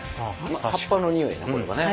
葉っぱの匂いやこれはね。